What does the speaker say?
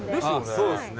そうですね。